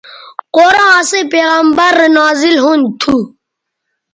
قرآن اسئیں پیغمبرؐ رے نازل ھُون تھو